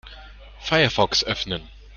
Firefox öffnen.